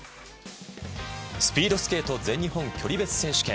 スピードスケート全日本距離別選手権。